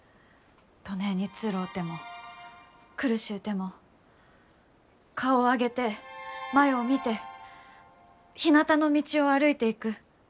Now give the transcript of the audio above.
どねえにつろうても苦しゅうても顔を上げて前う見てひなたの道を歩いていく。